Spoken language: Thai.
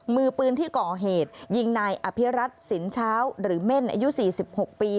มือปืนที่ก่อเหตุยิงนายอภิรัตสินเช้าหรือเม่นอายุ๔๖ปี